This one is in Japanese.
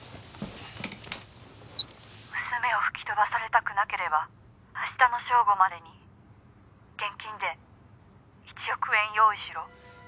「娘を吹き飛ばされたくなければ明日の正午までに現金で１億円用意しろ」